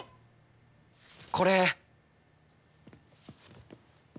これ。